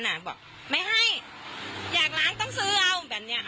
ไม่ให้อยากล้างต้องซื้อเอา